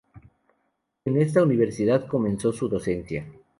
En esta universidad comenzó su docencia.